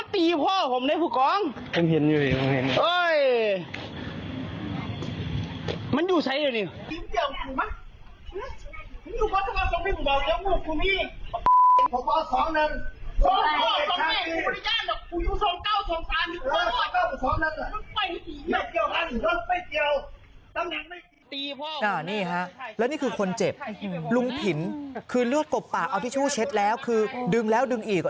ตีพ่อพี่อ้าวนี่ฮะและนี่คือคนเจ็บลุงพินคือเลือดกบปากเอาทิชชูเช็ทแล้วคือดึงแล้วดึงอีก